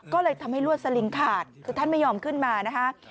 ก็เลยทำให้ลวดสลิงขาดคือท่านไม่ยอมขึ้นมานะคะ